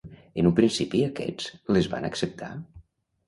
En un principi aquests les van acceptar?